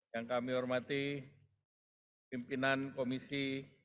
yang kami hormati pimpinan komisi dua tiga